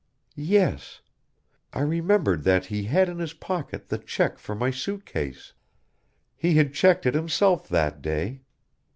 "Yes. I remembered that he had in his pocket the check for my suit case! He had checked it himself that day.